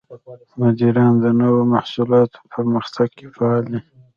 مدیران د نوو محصولاتو په پرمختګ کې فعال دي.